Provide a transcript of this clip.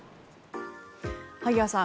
萩谷さん